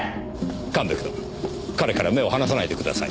神戸君彼から目を離さないでください。